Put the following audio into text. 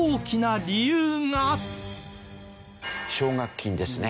奨学金ですね。